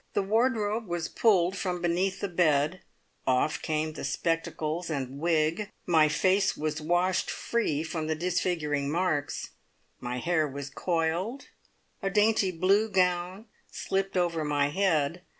The wardrobe was pulled from beneath the bed, off came spectacles and wig, my face was washed free from the disfiguring marks, my hair was coiled, a dainty blue gown slipped over my head.